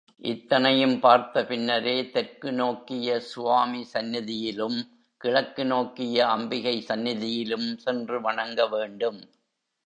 இத்தனையும் பார்த்த பின்னரே தெற்கு நோக்கிய சுவாமி சந்நிதியிலும் கிழக்கு நோக்கிய அம்பிகை சந்நிதியிலும் சென்று வணங்கவேண்டும்.